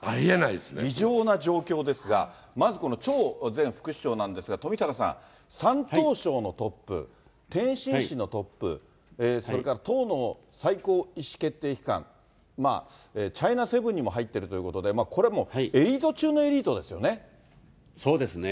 異常な状況ですが、まずこの張前副首相なんですが、富坂さん、山東省のトップ、天津市のトップ、それから党の最高意思決定機関、チャイナセブンにも入っているということで、これはもう、エリート中のエリートそうですね。